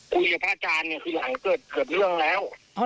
คุยกับพระอาจารย์คือหลังเกิดเรื่องแล้ว